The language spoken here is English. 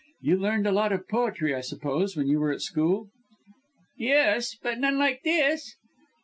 You learned a lot of poetry I suppose when you were at school?" "Yes, but none like this."